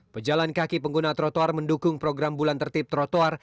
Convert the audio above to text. pejalan kaki pengguna trotoar mendukung program bulan tertib trotoar